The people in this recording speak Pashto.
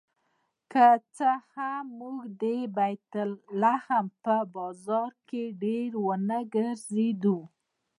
که څه هم موږ د بیت لحم په بازار کې ډېر ونه ګرځېدو.